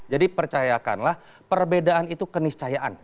jadi percayakanlah perbedaan itu keniscayaan